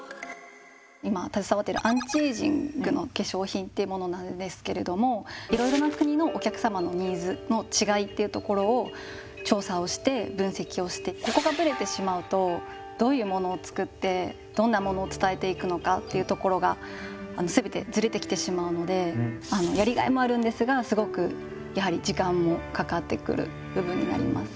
今携わっているアンチエイジングの化粧品っていうものなんですけれどもいろいろな国のお客様のニーズのちがいっていうところを調査をして分析をしてここがブレてしまうとどういうものを作ってどんなものを伝えていくのかっていうところが全てずれてきてしまうのでやりがいもあるんですがすごくやはり時間もかかってくる部分になります。